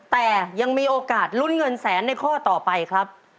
แต่ยังมีโอกาสลุ้นเงินแสนในข้อต่อไปครับ